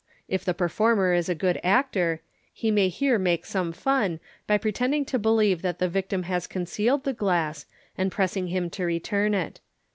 If the performer is a good actor, he may here make some fun by pretending to believe that the victim has concealed the glass, and pressing him to return it.